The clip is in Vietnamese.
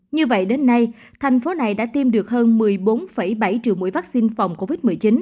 như vậy đến nay thành phố này đã tiêm được hơn một mươi bốn bảy triệu mũi vaccine phòng covid một mươi chín